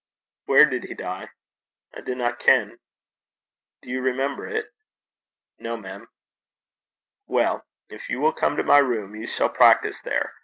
'Where did he die?' 'I dinna ken.' 'Do you remember it?' 'No, mem.' 'Well, if you will come to my room, you shall practise there.